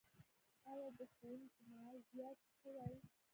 آیا د ښوونکو معاش زیات شوی؟